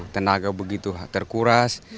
tenaga begitu terkuras